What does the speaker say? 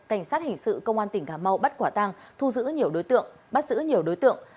cảnh sát hình sự công an tỉnh cà mau bắt quả tăng thu giữ nhiều đối tượng bắt giữ nhiều đối tượng